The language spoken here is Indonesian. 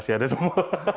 masih ada semua